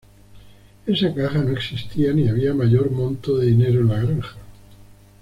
Esa caja no existía ni había mayor monto de dinero en la granja.